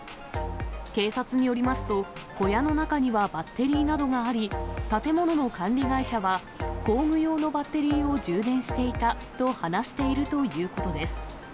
警察によりますと、小屋の中にはバッテリーなどがあり、建物の管理会社は、工具用のバッテリーを充電していたと話しているということです。